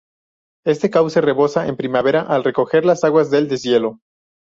Este cauce rebosa en primavera al recoger las aguas del deshielo.